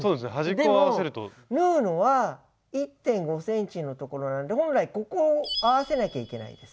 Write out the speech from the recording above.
でも縫うのは１．５ｃｍの所なんで本来ここを合わせなきゃいけないです。